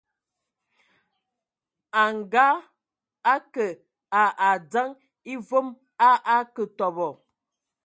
A ngaake a adzəŋ e voom a akǝ tɔbɔ.